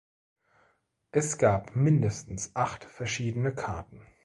Es gab mindestens acht verschiedene Karten.